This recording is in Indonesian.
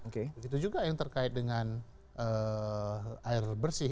begitu juga yang terkait dengan air bersih